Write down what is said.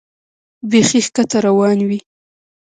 بیخي ښکته روان وې.